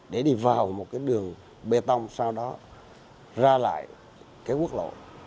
để đi vào một cái đường bê tông sau đó ra lại cái quốc lộ